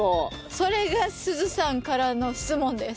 それがすずさんからの質問です。